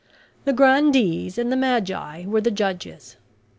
The grandees and the magi were the judges.